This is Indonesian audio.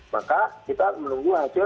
maka kita menunggu hasil